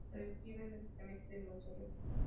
Reciben el tratamiento de Monseñor.